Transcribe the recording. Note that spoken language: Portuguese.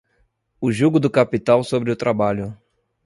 o jugo do capital sobre o trabalho